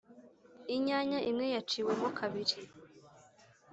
inyanya imwe yaciwe mo kabiri